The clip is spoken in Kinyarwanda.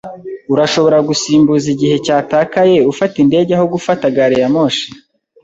Urashobora gusimbuza igihe cyatakaye ufata indege aho gufata gari ya moshi